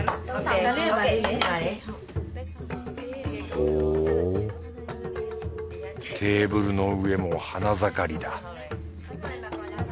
ほうテーブルの上も花盛りだ。